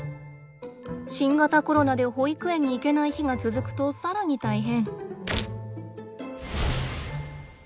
新型コロナで保育園に行けない日が続くと更に大変！